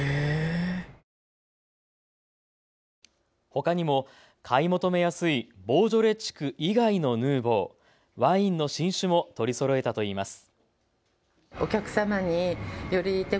ほかにも買い求めやすいボージョレ地区以外のヌーボー、ワインの新酒も取りそろえたといいます。